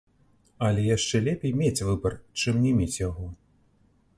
Але яшчэ лепей мець выбар, чым не мець яго.